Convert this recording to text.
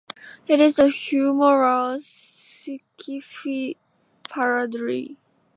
It is a humorous sci-fi parody.